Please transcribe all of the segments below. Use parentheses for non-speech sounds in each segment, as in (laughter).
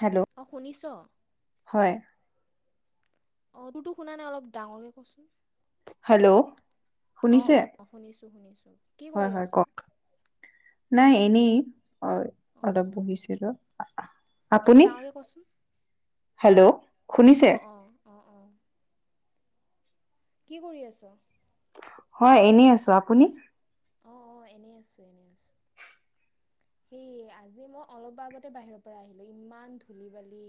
Hello অ, শুনিছ? হয়। অ, তোৰতো শুনা নাই অলপ ডাঙৰক কচোন। হেল্ল' অ, শুনিছে অ, শুনিছোঁ শুনিছোঁ। কি হয়, কৰি হয়, আছ? কওক নাই এনেই অ, অ', অলপ অ'। বহিছিলো, অলপ আপুনি? ডাঙৰকে কচোন। হেল্ল', শুনিছে? অ', অ', অ, অ, কি কৰি আছ? হয়, এনেই আছোঁ আপুনি? অ, অ, এনেই আছোঁ এনেই আছোঁ। সেই আজি মই অলপ আগতে বাহিৰৰ পৰা আহিলোঁ ইমান ধূলি বালি।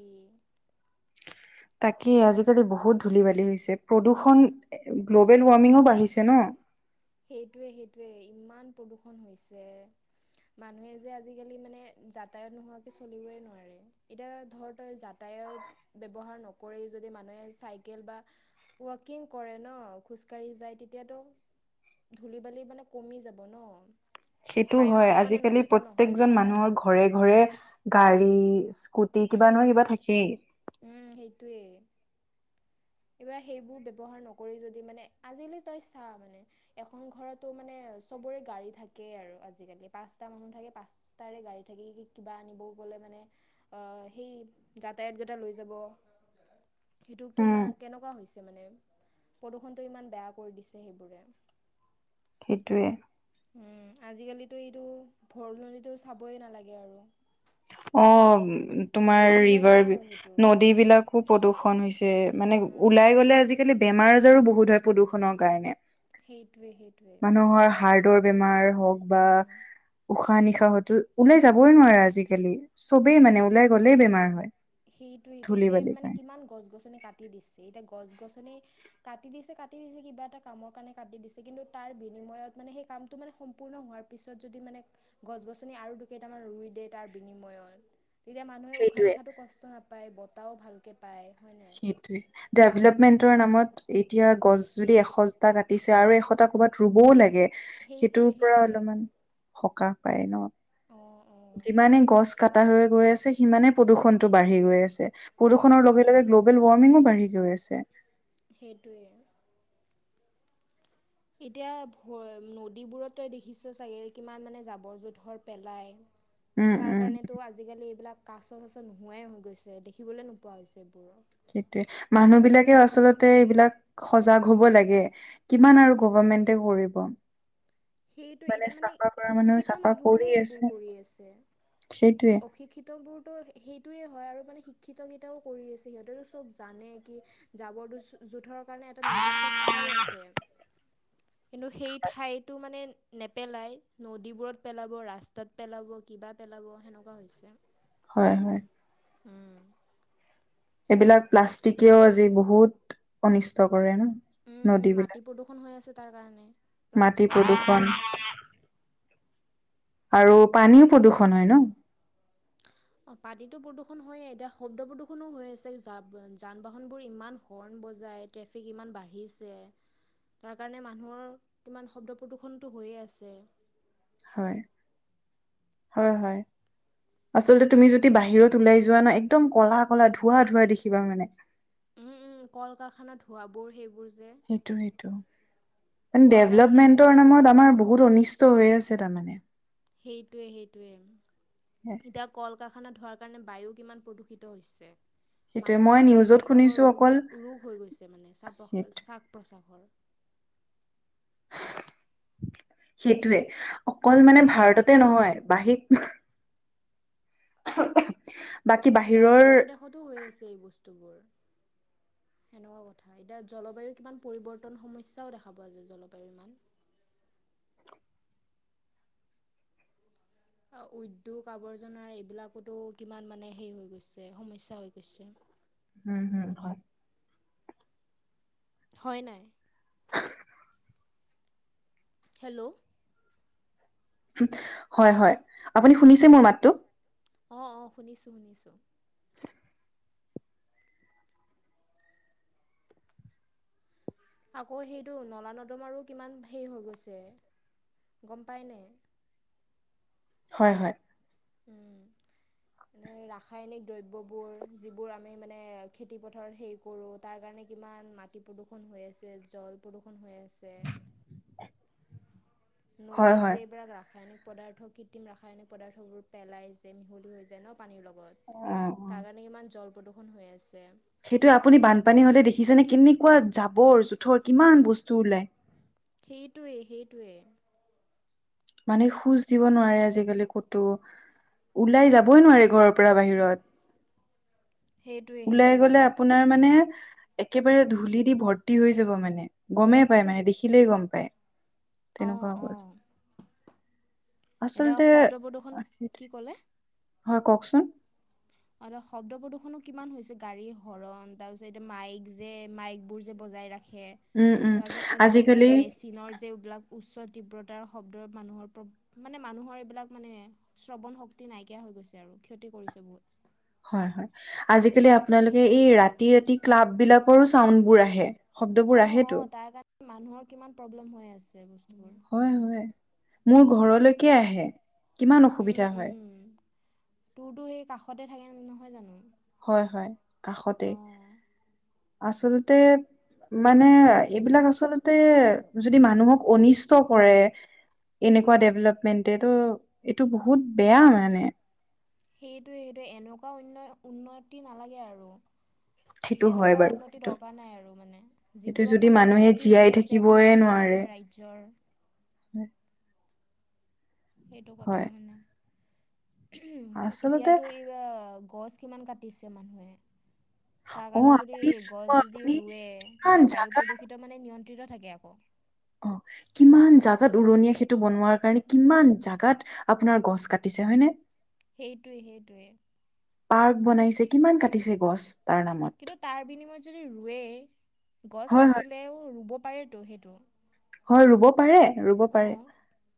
তাকেই আজিকালি বহুত ধূলি বালি হৈছে প্ৰদূষণ গ্ল'বেল ৱাৰ্মিঙও বাঢ়িছে ন? সেইটয়ে সেইটোৱে ইমান প্ৰদূষণ হৈছে। মানুহে যে আজিকালি মানে যাতায়াত নোহোৱাকে চলিবই নোৱাৰে। এতিয়া ধৰ তই যাতায়ত ব্যৱহাৰ নকৰে যদি মানুহে চাইকেল বা ৱাকিং কৰে ন খোজকাাঢ়ি যায় তেতিয়াতো, ধূলি বালি মানে কমি যাব ন, সেইটো বায়ুটো হয় মানে আজিকালি নষ্ট নহয় প্ৰত্যকজন তেতিয়া মানুহৰ- ঘৰে ঘৰে গাড়ী স্কুটি কিবা নহয় কিবা থাকেই। উম, সেইটয়েই। এইবাৰ সেইবোৰ ব্য্ৱহাৰ নকৰি যদি মানে আজিলি তই চা মানে, এখন ঘৰতো মানে চবৰে গাড়ী থাকে আৰু আজিকালি পাঁচটা মানুহ থাকে পাঁচ তাৰে গাড়ী থাকি কিবা আনিবও গ'লে মানে, সেই যাতায়াতকেইটা লৈ যাব। সেইটো উম কিমানা কেনেকুৱা হৈছে মানে, প্ৰদূষণটো ইমান বেয়া কৰি দিছে সেইবোৰে। সেইটোৱে। আজিকালিতো এইটো ভৰলনিটো চাবই নালাগে আৰু। অ', তোমাৰ নদী হৈ নাই ৰিভাৰ আৰু সেইটো নদী বিলাক খুব প্ৰদূষণ হৈছে, মানে উম, ওলাই গ'লে আজিকালি বেমাৰ আজাৰো বহুত হয় প্ৰদূৰণৰ কাৰণে। সেইটোৱে সেইটোৱে মানুহৰ হাৰ্টৰ বেমাৰ হওক বা উম। উশাহ, নিশাহটো, ওলাই যাবই নোৱাৰে আজিকালি চবেই মানে ওলাই গ'লেই বেমাৰ হয়। সেইটো, সেইটো ধূলি এতিয়া বালিৰ মানে কাৰণে কিমান গছ গছনি কাটি দিছে এতিয়া গছ গছনি কাটি দিছে কিবা এটা কামৰ কাৰণে কাটি দিছে কিন্তু তাৰ বিনিময়ত মানে সেই সম্পূৰ্ণ হোৱাৰ তাৰ পিছত যদি মানে গছ-গছনি আৰু দু কেইটামান ৰুই দিয়ে তাৰ বিনিময়ত। তেতিয়া মানুহে উশাহ সেইটোৱে নিশাহটো কষ্ট নাপায় বতাহও ভালকৈ পায় হয় নাই? সেটোৱে ডেভেলপমেন্টৰ নামত এতিয়া গছ যদি এশটা কাটিছে আৰু এশটা কৰ'বাত ৰুবও লাগে। সেইটোৰ সেইটোৱে পৰা সেইটোৱে অলপমান সকাহ পায় ন? অ', যিমানে গছ কটা হৈ গৈ আছে সিমানে প্ৰদূষণতটো বাঢ়ি গৈ আছে উম প্ৰদূৰষণৰ উম লগে লগে গ্ল'বেল ৱাৰ্মিঙও বাঢ়ি গৈ আছে। সেইটোৱেই আৰু। এতিয়া নদীবোৰত তই দেখিছ চাগে কিমান মানে জাবৰ-জোথৰ পেলাই, উম (inaudible) তাৰ উম কাৰণেতো আজিকালি এইবিলাক কাচ চাচ নোহোৱাই হৈ গৈছে দেখিবলৈ নোপোৱা হৈছে এইবোৰ। সেইটোয়ে, মানুহ বিলাকেও আচলতে এইবিলাক সজাগ হব লাগে। কিমান আৰু গভমেন্টে কৰিব। সেইটো মানে এতিয়া চাফা কৰা মানুহ শিক্ষিত চাফা মানুহবোৰে কৰি আছে। সেইটোৱে সেই অশিক্ষিত বোৰতো সেইটোয়ে হয় আৰু মানে শিক্ষিত কেইটাও কৰি আছে সিহঁতেতটো চব জানে কি যাবৰ জোঁথৰৰ কাৰণে এটা নিৰ্দিষ্ট ঠাই আছে, কিন্তু সেই ঠাইটো মানে, নেপেলাই নদীবোৰত পেলাব, ৰাস্তাত পেলাব কিবা পেলাব। সেনেকোৱা হৈছে। হয়, হয়। উম। এইবিলাক প্লাষ্টিকেও আজি বহুত অনিষ্ট কৰে ন? উম, উম, নদীবিলাক মাটি প্ৰদূষণ হৈ আছে তাৰ কাৰণে। মাটি প্লাষ্টিকৰ কাৰণে প্ৰদূষণ, আৰু পানীও প্ৰদূ্ষণ হয় ন? অ পতিীতটো প্ৰদূৰষণ হয়ে এতিয়া শব্দ প্ৰদূষণো হৈ আছে যান-বাহনবোৰ ইমান হৰ্ণ বজাই। ট্ৰেফিক ইমান বাঢ়িছে। তাৰ কাৰণে মানুহৰ কিমান শব্দ প্ৰদূষণটো হৈয়ে আছে। হয়, হয়, হয়। আচলতে তুমি যদি বাহিৰত ওলাই যোৱা ন একদম কলা কল ধোৱাা ধোৱাা দেখিবা মানে। উম, উম, কল কাৰখানা ধোৱা বোৰ সেইবোৰ যে। সেইটো সেইটো মানে কল কাৰখানাত ডেভলপমেন্টৰ ধোঁৱাবোৰ নামত হা আমাৰ বহুত অনিষ্ট হৈ আছে তাৰমানে। সেইটোৱে, সেইটোৱে আৰু। এতিয়া কল কাৰখানা ধোৱাৰ কাৰণে বায়ু কিমান প্ৰদূষিত হৈছে? সেইটোৱে মানুহৰ মই শ্বাস নিউজত প্ৰ্বাসৰ শুনিছো অকল ৰোগ ৰোগ হৈ গৈছে মানে শ্বাস সেইটো প্ৰশ্বাসৰ। সেইটয়ে, অকল মানে ভাৰততে নহয় বাহিৰ (inaudible) বাহিৰৰ দেশতো হৈ আছে এই বস্তুবোৰ। সেনেকুৱা কথা এতিয়া জলবায়ুৰ কিমান পৰিৱৰ্তন সমস্যাও দেখা পোৱা যায় জলবায়ুৰ ইমান। উদ্যোগ আৱৰ্জনাৰ এইবিলাকতো কিমান মানে হেই হৈ গৈছে সমস্যা হৈ গৈছে। উম, হুম হয়। হয় নাই? হেল্ল' হয়, হয়, আপুনি শুনিছে মোৰ মাতটো? অ, অ, শুনিছোঁ শুনিছোঁ। (inaudible) আকৌ সেইটো নলা নৰ্দম আৰুো কিমান হেৰি হৈ গৈছে গম পায়নে? হয়, হয়। উম, ম ৰাসায়নিক দ্ৰব্যবোৰ যিবোৰ আমি মানে খেতিপথাৰত হেৰি কৰোঁ, তাৰ কাৰণে কিমান মাটি প্ৰদূৰষণ হৈ আছে জল প্ৰদূৰষণ হৈ আছে, আছে। হয় নদীত যে হয় এইবিলাক ৰাসায়নিক পদাৰ্থ কৃত্ৰিম ৰাসায়নিক পদাৰ্থবোৰ পেলাই যে মিহলি হৈ যায় ন পানীৰ অ লগত অ তাৰ কাৰণে কিমান জল প্ৰদূষণ হৈ আছে। সেইটোয়ে আপুনি বানপানী হলে দেখিছেনেে কেনেকুৱা জাবৰ জোথৰ কিমান বস্তু ওলায়। সেইটোৱেই, সেইটোৱেই। মানে খোজ দিব নোৱাৰে আজিকালি ক'তো, ওলাই উম যাবই নোৱাৰে ঘৰৰ পৰা বাহিৰত, সেইটোৱে ওলাই সেইটোৱে গলে আ আপোনাৰ মানে, একেবাৰে ধূলি দি ভৰ্তি হৈ যাব মানে গমেই পায় মানে দেখিলেই গম পায়। অ, তেনেকুৱা অৱস্থা। অ, এতিয়া আচলতে শব্দ প্ৰদূষণ সেইটোৱে। কি ক'লে? হয় কওকচোন। অ, শব্দ প্ৰদূ্ষনো কিমান হৈছে গাড়ীৰ হৰণ তাৰ পিছত এতিয়া মাইক যে মাইক বোৰ যে বজাই ৰখে, উম উম তাৰপিছত আজিকালি উদ্যোগিক মে চীনৰ যবিলাক উচ্চ তীব্ৰতাৰ শব্দ মানুহৰ মানে মানুহৰ এইবিলাক মানে শ্ৰৱণ শক্তি নাইকিয়া হৈ গৈছে আৰু ক্ষতি কৰিছে বহুত। হয়, হয়, আজিকালি আপোনালোকে এই ৰাতি ৰাতি ক্লাব বিলাক চাউণ্ড বোৰ আহে শব্দবোৰ অ', আহেতো। অ', তাৰ মানুহৰ কিমান প্ৰব্লেম হৈ আছে বস্তু হয়, হয়, মোৰ ঘৰলৈকে আহে। কিমান অসুবিধা উম, হয়, উম, তোৰতো সেই কাষতে থাকে নহয় জানো? হয়, হয়, কাষতে। আচলতে মানে এইবিলাক আচলতে যদি মানুহক অনিষ্ট কৰে, এনেকুৱা ডেভেলপমেণ্টে তটো এইটো বহুত বেয়া মানে। সেইটোৱে সেইটোৱে এনেকুৱা উ-উন্নতি নালাগে আৰু। সেইটো হয় এনেকুৱাও বাৰু উন্নতি সেইটো দৰকাৰ নাই আৰু, মানে সেইটো যিবোৰক যদি মানে মানুহে ক্ষতি জীয়াই হৈ আছে এখন থাকিবয়ে দেশৰ নোৱাৰে এখন ৰাজ্য জ্বৰ। সেইটো কথা হয় মানে। আচলতে এতিয়াতো এই এ, গছ কিমান কাটিছে মানুহে। তাৰ অ কাৰণে যদি আপুনি গছ চাব যদি আপুনি ৰুৱে কিমান তেতিয়া বায়ু জাগা প্ৰদূষিত মানে নিয়ন্ত্ৰিত থাকে আকৌ। অ, কিমান জোগাত উৰণীয়া সেইটো বনোৱাৰ কাৰণে কিমান জোগাত আপোনাৰ গছ কাটিছে হয়নে? সেইটোৱেই সেইটোৱেই। পাৰ্ক বনাইছে কিমান কাটিছে গছ তাৰ নামত। কিন্তু তাৰ বিনিময়ত যদি ৰুৱে, গছ হয় হয় কাটিলেও ৰুব পাৰেতো সেইটো। হয়, ৰুব পাৰে। ৰুব অ, পাৰে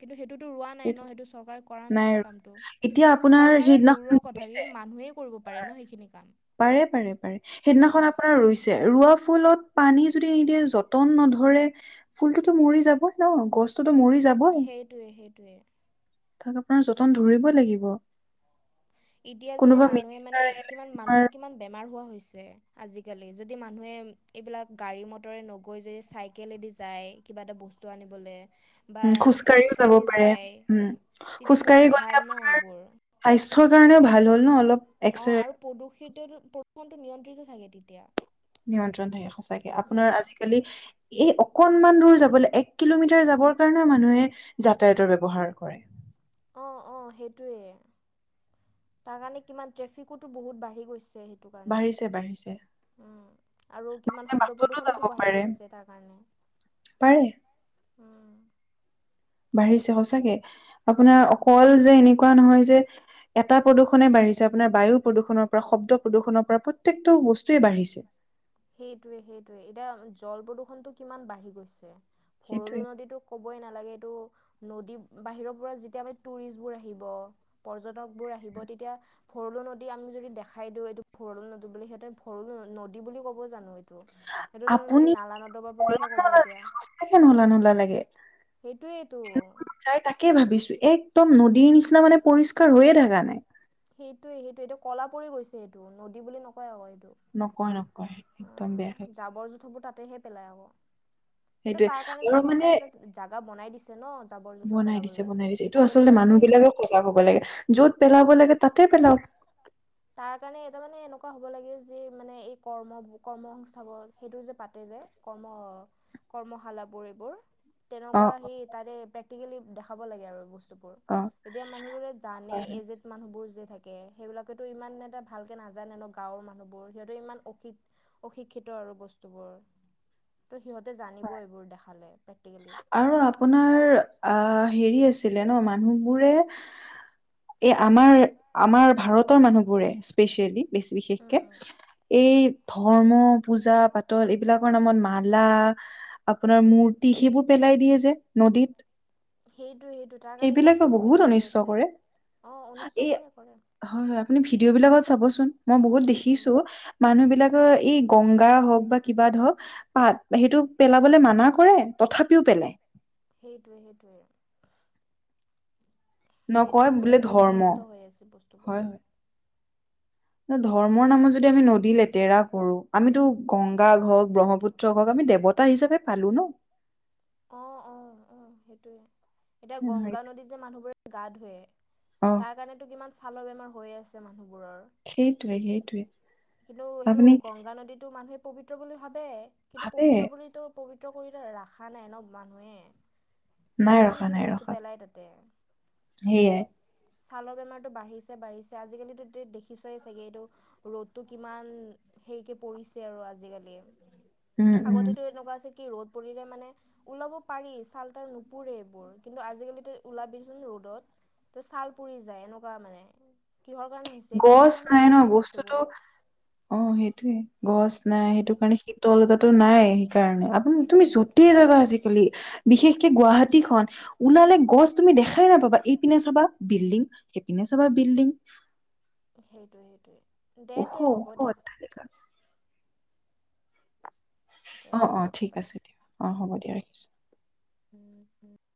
কিন্তু সেইটোতো ৰোৱা নাই ন সেইটো চৰকাৰে কৰা নাই কামটো। এতিয়া আপোনাৰ চৰকাৰৰ সেইদিনাখন দৌৰৰ কথা ৰুইছে কিন্তু মানুহেই কৰিব পাৰে ন সেইখিনি কাম। পাৰে পাৰে পাৰে, উম, সেইদিনাখন আপোনাৰ ৰুইছে (inaudible) ৰোৱা ফুলত পানী যদি নিদিয়ে যতন নধৰে ফুল তো মৰি যাব ন গছততো মৰি যাব সেইটোৱে সেইটোৱে। তাক আপোনাৰ যতন ধৰিব লাগিব। এতিয়া যদি কোনোবা মানুহে মিনিষ্টাৰ মানে আহিলে কিমান তোমাৰ মানুহৰ কিমান বেমাৰ হোৱা হৈছে, আজিকালি যদি মানুহে এইবিলাক গাড়ী মটৰে নগৈ যদি চাইকেলেদি যায় কিবা এটা বস্তু আনিবলৈ বা উম খোজকাঢ়িও যাব খোজকাাঢ়ি পাৰে যায় উম তেতিয়া খোজকাঢ়ি বহুত গ'লে ভাল ন এইবোৰ। স্বাস্থ্যৰ কাৰণেও ভাল হ'ল ন অলপ অ', এক্সৰে আৰু প্ৰদূষিত প্ৰদূষণটো নিয়ন্ত্ৰিত থাকে তেতিয়া। নিয়ন্ত্ৰণ থাকে সঁচাকে আপোনাৰ উম আজিকালি এই অকনমান দূৰ যাবলৈ এক কিলোমিটাৰ যাবৰ কাৰণেও মানুহে যাতায়াতৰ ব্যৱহাৰ কৰে। অ', অ', সেইটোৱে। তাৰ কাৰণে কিমান ট্ৰেফিকো বহুত বাঢ়ি গৈছে স কাৰ বাঢ়িছে বাঢ়িছে উম আৰু কিমান শব্দ বাছতো যাব প্ৰদূশনোতো বাঢ়ি পাৰে গৈছে তাৰ কাৰণে। পাৰে। উম। বাঢ়িছে সচাকে আপোনাৰ অকলকল যে এনেকুৱা নহয় যে এটা প্ৰদূষণে বাঢ়িছে আপোনাৰ বায়ু প্ৰদূষণৰ, পৰা শব্দ প্ৰদূষণৰ পৰা, প্ৰত্যেকটো বস্তুয়ে বাঢ়িছে। সেইটোৱে সেইটোৱে এতিয়া জল প্ৰদূষণ টো কিমান বাঢ়ি গৈছে, ভৰলো সেইটোৱে নদীতোক ক'বই নালাগে এইটো নদী বাহিৰৰ পৰা যেতিয়া আ টুৰিষ্ট বোৰ আহিব পৰ্যটকবোৰ আহিব তেতিয়া ভৰলো নদী আমি যদি দেখাই দিওঁ এইটো ভৰল নদী বুলি সিহঁতে ভৰলো নদী বুলি ক'ব ক'ব জানো? এইটো সেইটো আপুনি নালা নদবা বুলিহে কব এতিয়া। তাকে নলা নলা লাগে। সেইটোৱেইেতো। চাই তাকে ভাবিছোঁ, একদম নদীৰ নিচিনা মানে পৰিষ্কাৰ হৈয়ে থকা নাই। সেইটোৱে সেইটোৱে, এইটো কলা পৰি গৈছে এইটো নদী বুলি নকয় আকৌ এইটো। নকয় নকয়, একদম বেয়া ডাবৰ জোথবোৰ তাতেহে পেলাই আকৌ কিন্তু সেইটোয়ে তাৰ কাৰণো আৰু মানে চৰকাৰে এটা জাগা বনাই দিছে ন জাবৰ জোথৰ বনাই দিছে পেলাবলৈ বনাই দিছে এইটো তাতে আচলতে পেলাব মানুহ লাগে। বিলাকে সজাগ হ'ব লাগে, য'ত পেলাব লাগে তাতে পেলাও। তাৰ কাৰণে এটা মানে এনেকুৱা হ'ব লাগে যে মানে এই কৰ্ম কৰ্ম সংংস্থাপ সেইটো যে পাতে যে কৰ্ম-কৰ্মশালাবোৰ এইবোৰ। অ তেনেকুৱা সি তাতে প্ৰেক্টিকেলি দেখাব লাগে আৰু বস্তু বোৰ, অ এতিয়া মানুহবোৰে জানে হয় এজ হয় মানুহ বোৰ যে থাকে সেইবিলাক সেইো ইমান এটা ভালকে নাজানে ন গাঁৱৰ মানুহবোৰ সিহঁতে ইমান অক অশিক্ষিত আৰু বস্তুবোৰ, ত' সিহঁতে জানিব এইবোৰ দেখালে প্ৰেক্টিকেলি। আৰু আপোনাৰ আহ হেৰি আছিলে ন' মানুহবোৰে এই আমাৰ আমাৰ ভাৰতৰ মানুহবোৰে স্পেচিয়েলি বেছ বিশেষকে এই ধৰ্ম, পূজা পাতল এইবিলাকৰ নামত মালা আপোনাৰ মূৰি টি সেইবোৰ পেলাই দিয়ে যে নদীত। সেইটোৱে সেইটো তাৰ কাৰণে কিমান সেইবিলাকে প্ৰদূষিত বহুত হৈ অনিষ্ট আছে কৰে। অ অনিষ্ট হয় কৰে কৰে হয় আপুনি ভিডিঅ বিলাক চাবোন মই বহুত দেখিছোঁ মানুহ বিলাকৰ এই গংগা হওক বা কিবা ধওক পাত সেইটো পেলাবলৈ মানা কৰে তথাপিও পেলায়। সেইটোৱে সেইটোৱে আৰু সেইটো নকয় কাৰণে বোলে বহুত ধৰ্ম অনিষ্ট হৈ আছে বস্তুবোৰ। হয় ধৰ্মৰ নামত যদি আমি নদী লেতেৰা কৰো, আমিতো গংগা হক ব্ৰহ্মপুত্ৰ ক (inaudible) আমি দেৱতা হিচাপে পালো ন? অ ল, অ, অ, সেইটোয়ে, এতিয়া হয় নে নহয় গংগা নদীত যে মানুহবোৰে গা ধুৱে, অ, তাৰ কাৰণেতো কিমান ছালৰ বেমাৰ হৈয়ে আছে মানুহবোৰৰ। সেইটোৱে সেইটোৱে কিন্তু এইটো আপুনি গংগা নদীতো মানুহে পবিত্ৰ বুলি ভাবে। কিন্তু ভাবে পবিত্ৰ বুলিতো পবিত্ৰ কৰি ৰখা নাই ন মানুহে? নাই কিমান ৰখা কি বস্তু পেলায় তাতে। সেইয়া, ছালৰ বেমাৰটো বাঢ়িছে বাঢ়িছে, আজিকালিতো দেখিছয়ে চাগে, এইটো ৰ'দটো কিমান সেইকে পৰিছে আৰু আজিকালি। উম উম, টো এনেকুৱা আছে কি ৰ'দ পৰিলে মানে ওলাব পাৰি, চালৰ পোৰেবোৰ কিন্তু আজিকালিতো ওলাবচোন ৰ'দত, ত ছাল পুৰি যায় এনেকুৱা মানে, কিহৰ কাৰণে হৈছে? এইবিলাকৰ গছ কাৰণে নাই ন হৈছে বস্তুটো বস্তুবোৰ। অ, সেইটোয়ে, গছ নাই উম, সেইটো কাৰণে শীতল এতাটো নাই সেইকাৰণে। আপু তুমি সেইটোৱে সেইটোৱে যতেই জাবা আজিকালি বিশেষকে গুৱাহাটীখন ওলালে গছ তুমি দেখাই নাপাবা, এইপিনে চবা বিল্ডিং, সেইপিনে চবা বিল্ডিং, সেইটোৱে সেইটোৱে দে ওখ তে হ'ব ওখ দে। অট্টালিকা অ, দে দে অ, ঠিক হ'ব দে আছে, অ, উম হ'ব দিয়া ৰাখিছোঁ। (inaudible)